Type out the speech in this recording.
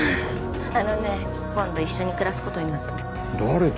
あのね今度一緒に暮らすことになったの誰と？